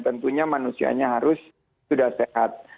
tentunya manusianya harus sudah sehat